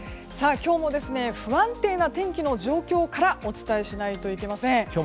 今日も不安定な天気の状況からお伝えしないといけません。